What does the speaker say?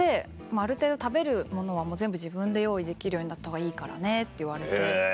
「ある程度食べるものは全部自分で用意できるようになったほうがいいからね」って言われて。